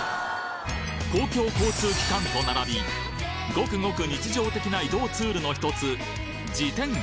公共交通機関と並びごくごく日常的な移動ツールのひとつ